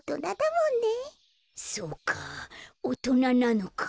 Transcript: そうかおとななのか。